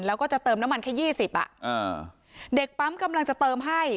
แล้วก็จะเติมน้ำมันแค่ยี่สิบอ่ะอ่าเด็กปั๊มกำลังจะเติมให้